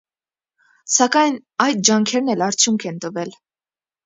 Սակայն այդ ջանքերն էլ արդյունք են տվել։